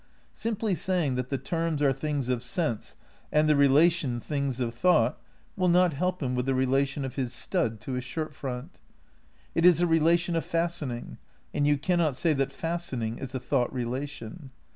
Simply saying that the terms are things of sense and the relations things of thought wiU not help him with the relation of his stud to his shirt front. It is a relation of fastening, and you cannot say that fasten ing is a thought relation.